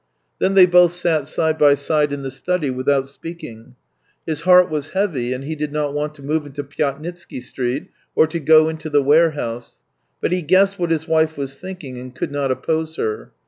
Then they both sat side by side in the study without speaking. His heart was heavy, and he did not want to move into Pyatnitsky Street or to go into the warehouse; but he guessed what his wife was thinking, and could not oppose her.